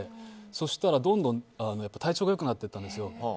そしたらどんどん体調が良くなったんですよ。